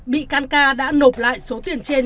bị can ca đã nộp lại số tiền trên